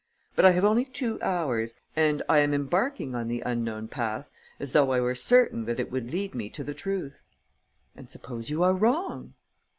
But I have only two hours; and I am embarking on the unknown path as though I were certain that it would lead me to the truth." "And suppose you are wrong?"